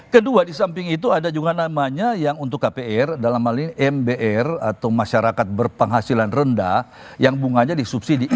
kedua di samping itu ada juga namanya yang untuk kpr dalam hal ini mbr atau masyarakat berpenghasilan rendah yang bunganya disubsidi